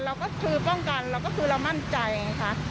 เราก็คือป้องกันเราก็คือเรามั่นใจไงคะ